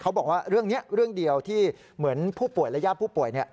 เขาบอกว่าเรื่องนี้เรื่องเดียวที่เหมือนผู้ป่วยและญาติผู้ป่วย